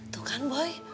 tuh kan boy